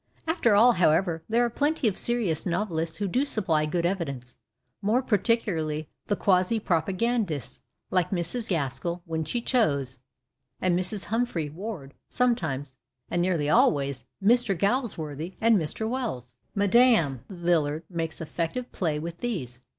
After all, however, there are plenty of serious novelists who do supply good evidence — more par ticularly the quasi propagandists like Mrs. Gaskell (when she chose) and Mrs. Humphry Ward (some times), and (nearly always) Mr. Galsworthy and Mr. Wells. Mme. Villard makes effective play with these.